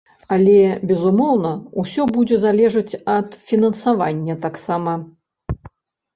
Але, безумоўна, ўсё будзе залежаць ад фінансавання таксама.